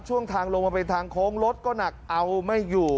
ช่วงทางลงมาเป็นทางโค้งรถก็หนักเอาไม่อยู่